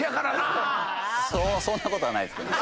そんなことはないですけどね。